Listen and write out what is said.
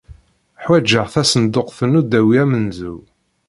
Ḥwajeɣ tasenduqt n udawi amenzu.